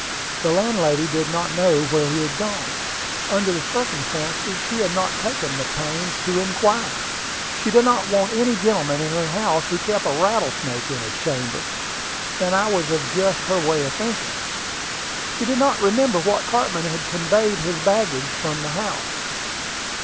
The landlady did not know where he had gone. Under the circumstances, she had not taken the pains to inquire. She did not want any gentleman in her house who kept a rattlesnake in his chamber; and I was of just her way of thinking. She did not remember what cartman had conveyed his baggage from the house.